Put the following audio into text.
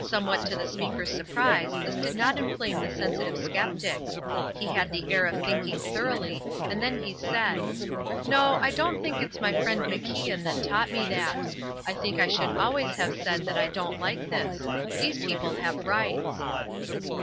Somewhat to the speaker's surprise this did not inflame the sensitive sceptic; he had the air of thinking thoroughly, and then he said: "No, I don't think it's my friend MacIan that taught me that. I think I should always have said that I don't like this. These people have rights."